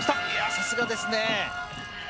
さすがですね！